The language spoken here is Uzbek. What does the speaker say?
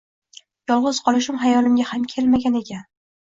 Yolg’iz qolishim xayolimga ham kelmagan ekan.